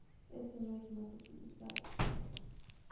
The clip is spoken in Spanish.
Este no es más utilizado.